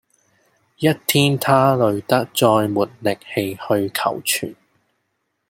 一天他累得再沒力氣去求存